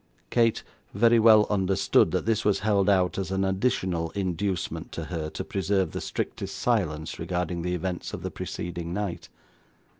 Kate very well understood that this was held out as an additional inducement to her to preserve the strictest silence regarding the events of the preceding night.